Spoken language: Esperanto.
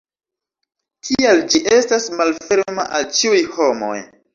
Tial ĝi estas malferma al ĉiuj homoj.